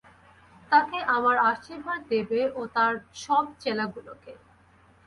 তাকে আমার আশীর্বাদ দেবে ও আর আর সব চেলাগুলোকে।